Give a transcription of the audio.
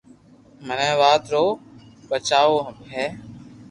مني آ وات رو پچتاوہ ھيي